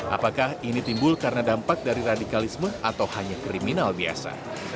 apakah ini timbul karena dampak dari radikalisme atau hanya kriminal biasa